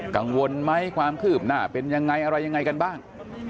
กังวลไหมความคืบหน้าเป็นยังไงอะไรยังไงกันบ้าง